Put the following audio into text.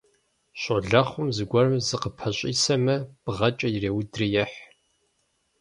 Щолэхъум зыгуэрым зыкъыпэщӀисэмэ, бгъэкӀэ иреудри ехь.